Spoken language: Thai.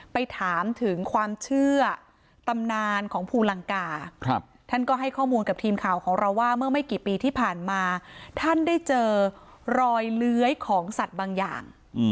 ไปถามถึงความเชื่อตำนานของภูลังกาท่านก็ให้ข้อมูลกับทีมข่าวของเราว่าเมื่อไม่กี่ปีที่ผ่านมาท่านได้เจอรอยเลื้อยของสัตว์บางอย่าง